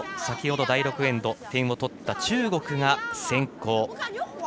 先ほど第６エンドで点を取った中国が先攻。